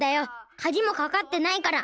カギもかかってないから！